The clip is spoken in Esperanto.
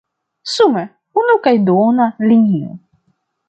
Sume: unu kaj duona linio.